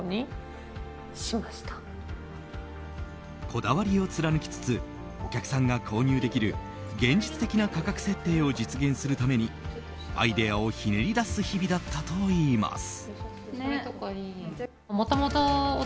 こだわりを貫きつつお客さんが購入できる現実的な価格設定を実現するためにアイデアをひねり出す日々だったといいます。